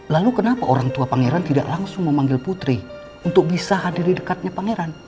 lalu kenapa orang tua pangeran tidak langsung memanggil putri untuk bisa hadir di dekatnya pangeran